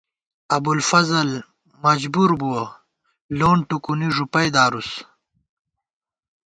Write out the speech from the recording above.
ابُوالفضل مجبُور بُوَہ ، لون ٹُکُونی ݫُپَئ دارُس